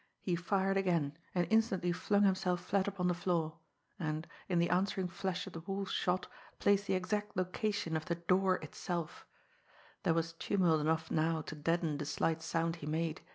He again, and instantly flung himself flat upon the floor and, in the answering flash of the Wolf's shot, placed the exact location of the door itself. There was tumult enough now to deaden the slight sound he made.